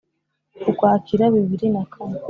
ukwakira bibiri na kane